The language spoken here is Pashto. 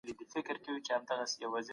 دورکهايم د ټولنيز نظم په اړه ليکنه کړې ده.